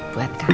ini buat mama